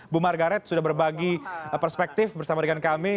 bu margaret sudah berbagi perspektif bersama dengan kami